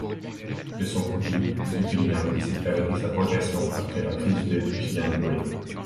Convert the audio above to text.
De son côté Zhuge Liang décide d’arrêter sa progression après la prise de Jianwei.